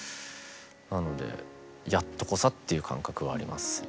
なのでやっとこさっていう感覚はありますね。